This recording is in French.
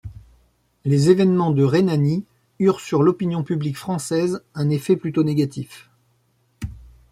Les événements de Rhénanie eurent sur l’opinion publique française un effet plutôt négatif.